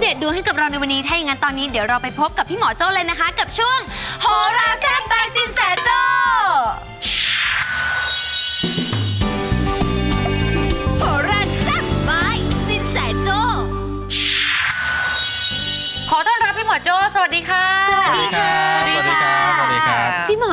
โอ้ใช่เขารอแล้วอยู่